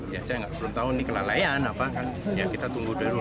ya saya belum tahu ini kelalaian apa kan ya kita tunggu dulu